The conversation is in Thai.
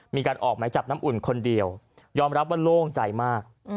มีการออกหมายจับน้ำอุ่นคนเดียวยอมรับว่าโล่งใจมาก